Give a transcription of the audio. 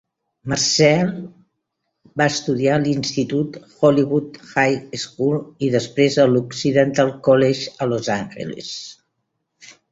Marcel va estudiar a l'institut Hollywood High School, i després a l'Occidental College, a Los Angeles.